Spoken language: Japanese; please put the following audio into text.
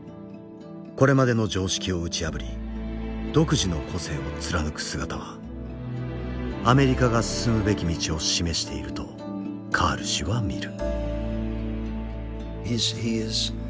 これまでの常識を打ち破り独自の個性を貫く姿はアメリカが進むべき道を示しているとカール氏は見る。